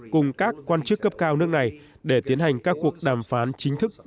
cùng các quan chức cấp cao nước này để tiến hành các cuộc đàm phán chính thức